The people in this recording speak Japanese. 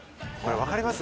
わかります？